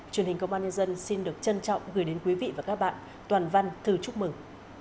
truyền hình công an nhân dân xin được trân trọng gửi đến quý vị và các bạn toàn văn thư chúc mừng